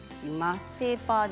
ペーパーで。